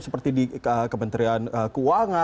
seperti di kementerian keuangan